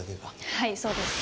はいそうです。